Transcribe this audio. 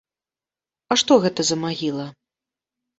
А што гэта за магіла?